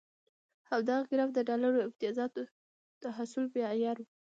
همدغه ګراف د ډالري امتیازاتو د حصول معیار وي.